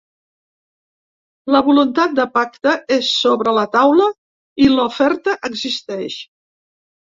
La voluntat de pacte és sobre la taula i l’oferta existeix.